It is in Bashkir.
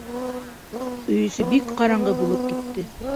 Өй эсе бик ҡараңғы булып китте.